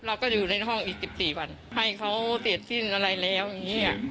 เราก็อยู่ในห้องอีกสิบสี่วันให้เขาเตรียดสิ้นอะไรแล้วอย่างเงี้ย